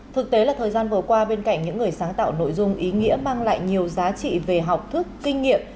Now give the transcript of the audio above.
thực tế là thời gian vừa qua bên cạnh những người sáng tạo nội dung ý nghĩa mang lại nhiều giá trị về học thức kinh nghiệm